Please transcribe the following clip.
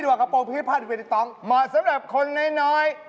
รอข้างหลังหน่อยหน่อย